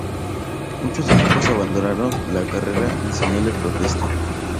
Muchos equipos abandonaron la carrera en señal de protesta.